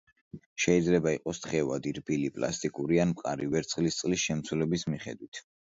შეიძლება იყოს თხევადი, რბილი პლასტიკური ან მყარი, ვერცხლისწყლის შემცველობის მიხედვით.